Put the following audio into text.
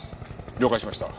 了解しました。